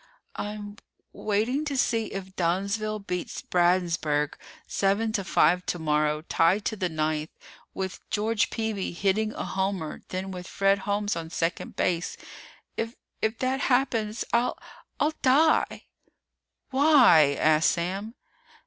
"I'm w waiting to see if Dunnsville beats Bradensburg seven to five tomorrow, tied to the ninth, with George Peeby hitting a homer then with Fred Holmes on second base. If if that happens, I'll I'll die!" "Why?" asked Sam.